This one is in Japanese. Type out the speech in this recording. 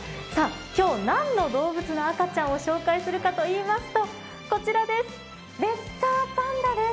今日何の動物の赤ちゃんを紹介するかというと、こちらです、レッサーパンダです。